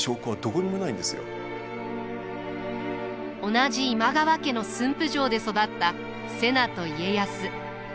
同じ今川家の駿府城で育った瀬名と家康。